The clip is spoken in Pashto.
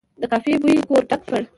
د کافي بوی کور ډک کړ.